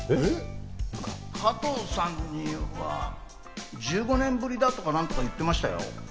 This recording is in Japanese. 加藤さんには１５年ぶりだとか何とか言ってましたよ。